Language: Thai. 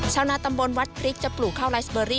ชาวนาสมาชิกกลุ่มวัดปริกจะปลูกข้าวไรซ์เบอรี่